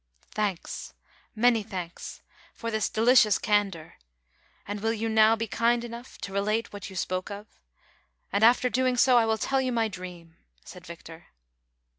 "Thanks, many thanks, for this delicious candor, and will you now be kind enough to relate what you spoke of, and, after so doing, I will tell you my dream," said Victor.